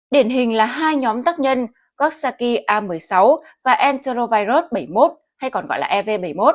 điển hình là hai nhóm tác nhân kaksaki a một mươi sáu và antervirote bảy mươi một hay còn gọi là ev bảy mươi một